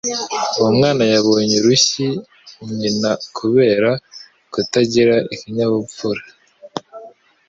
Uwo mwana yabonye urushyi nyina kubera kutagira ikinyabupfura.